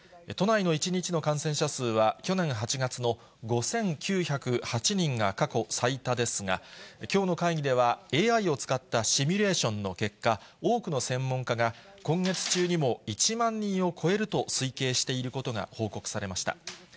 都内の１日の感染者数は、去年８月の５９０８人が過去最多ですが、きょうの会議ではＡＩを使ったシミュレーションの結果、多くの専門家が今月中にも１万人を超えると推計していることが報告されました。